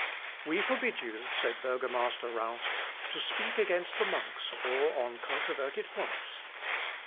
"We forbid you," said Burgomaster Roust, "to speak against the monks or on controverted points."